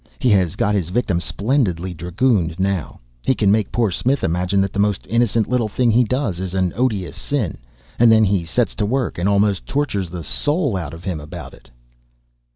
He has got his victim splendidly dragooned now. He can make poor Smith imagine that the most innocent little thing he does is an odious sin; and then he sets to work and almost tortures the soul out of him about it."